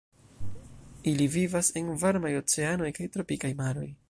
Ili vivas en varmaj oceanoj kaj tropikaj maroj.